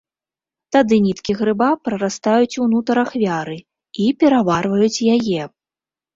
Тады ніткі грыба прарастаюць ўнутр ахвяры і пераварваюць яе.